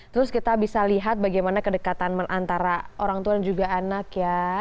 terus kita bisa lihat bagaimana kedekatan antara orang tua dan juga anak ya